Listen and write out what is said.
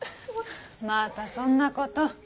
まぁたそんなことを。